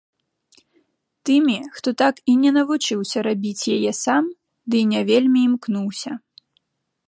Тымі, хто так і не навучыўся рабіць яе сам, дый не вельмі імкнуўся.